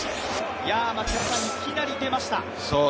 いきなり出ました。